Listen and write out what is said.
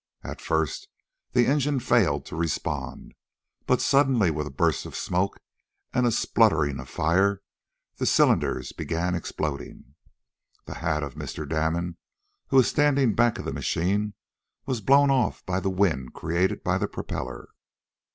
At first the engine failed to respond, but suddenly with a burst of smoke, and a spluttering of fire the cylinders began exploding. The hat of Mr. Damon, who was standing back of the machine, was blown off by the wind created by the propeller.